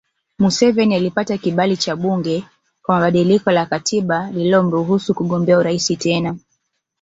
Museveni alipata kibali cha bunge kwa badiliko la katiba lililomruhusu kugombea urais tena